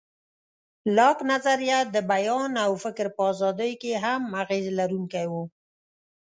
لاک نظریه د بیان او فکر په ازادۍ کې هم اغېز لرونکی و.